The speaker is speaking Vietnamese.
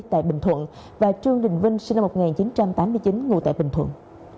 tại bình thuận và trương đình vinh sinh năm một nghìn chín trăm tám mươi chín ngụ tại bình thuận